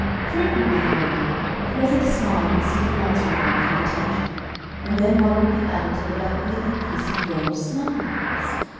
Frequently, however, a pleasant smile would seek an answering one from the teacher, and then one would be added to the rapidly increasing row of smile marks.